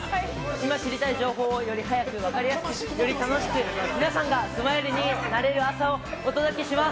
今知りたい情報をより早く分かりやすく、より楽しく、皆さんがスマイルになれる朝をお届けします。